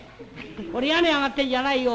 俺屋根上がってんじゃないよ。